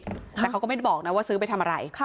แต่เขาก็ไม่ได้บอกนะว่าซื้อไปทำอะไร